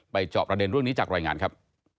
จอบประเด็นเรื่องนี้จากรายงานครับ